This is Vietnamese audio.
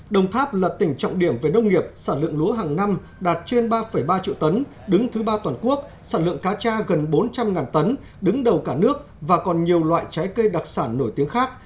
đồng tháp là tỉnh trọng điểm về nông nghiệp sản lượng lúa hàng năm đạt trên ba ba triệu tấn đứng thứ ba toàn quốc sản lượng cá cha gần bốn trăm linh tấn đứng đầu cả nước và còn nhiều loại trái cây đặc sản nổi tiếng khác